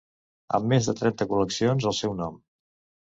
Amb més de trenta col·leccions al seu nom.